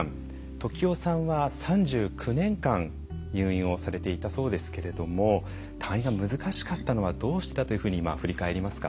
時男さんは３９年間入院をされていたそうですけれども退院が難しかったのはどうしてだというふうに今振り返りますか？